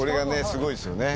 すごいですよね。